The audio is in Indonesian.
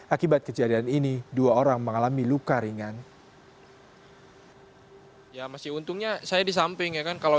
akibat kejadian ini dua orang mengalami luka ringan kalau